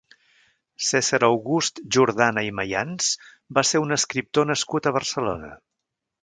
Cèsar August Jordana i Mayans va ser un escriptor nascut a Barcelona.